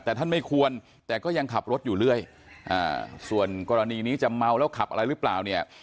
แต่ท่านไม่ควรแต่ก็ยังขับรถอยู่เรื่อยส่วนกรณีนี้จะเมาแล้วขับอะไรหรือเปล่าเนี่ย